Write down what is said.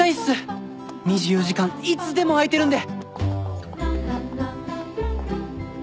「２４時間いつでもあいてるんで！」